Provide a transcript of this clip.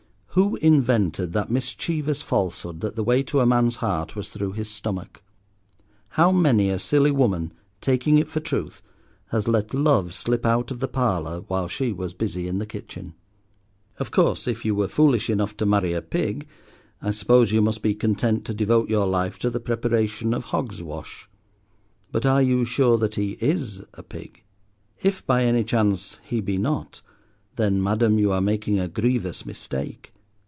Who invented that mischievous falsehood that the way to a man's heart was through his stomach? How many a silly woman, taking it for truth, has let love slip out of the parlour, while she was busy in the kitchen. Of course, if you were foolish enough to marry a pig, I suppose you must be content to devote your life to the preparation of hog's wash. But are you sure that he is a pig? If by any chance he be not?—then, Madam, you are making a grievous mistake.